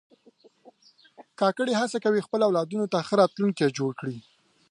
کاکړي هڅه کوي خپلو اولادونو ته ښه راتلونکی جوړ کړي.